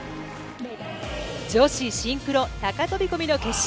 女子シンクロ高飛び込みの決勝。